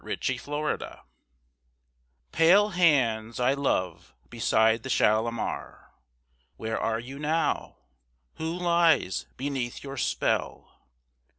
Kashmiri Song Pale hands I love beside the Shalimar, Where are you now? Who lies beneath your spell?